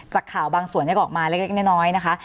จากข่าวบางส่วนก็ออกมาเล็กน้อยนะคะ